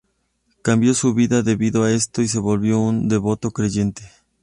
Cambió su vida debido a esto, y se volvió un devoto creyente.